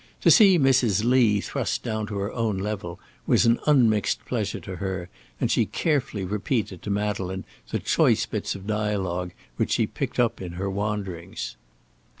To see Mrs. Lee thrust down to her own level was an unmixed pleasure to her, and she carefully repeated to Madeleine the choice bits of dialogue which she picked up in her wanderings.